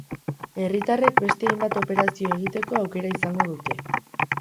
Herritarrek beste hainbat operazio egiteko aukera izango dute.